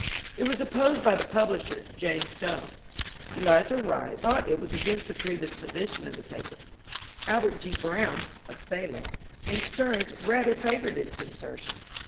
It was opposed by the publisher, James Stone ; Elizur Wright thought it was against the previous position of the paper ; Albert G. Browne (of Salem) and Steams rather favoured its insertion.